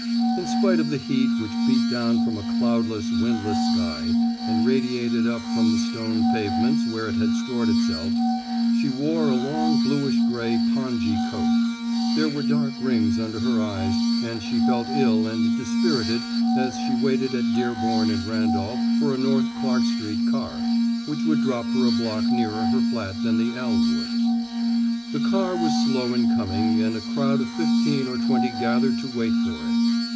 In spite of the heat which beat down from a cloudless, windless sky and radiated up from the stone pavements where it had stored itself, she wore a long bluish gray pongee coat. There were dark rings under her eyes and she felt ill and dispirited as she waited at Dearborn and Randolph for a North Clark Street car, which would drop her a block nearer her flat than the L would. The car was slow in coming and a crowd of fifteen or twenty gathered to wait for it.